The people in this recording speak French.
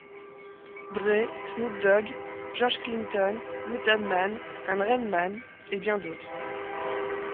Dre, Snoop Dogg, George Clinton, Method Man & Redman et bien d'autres.